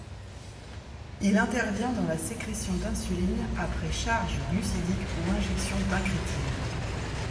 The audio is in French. Il intervient dans la sécrétion d'insuline après charge glucidique ou injection d'incrétines.